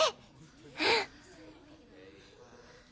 うん！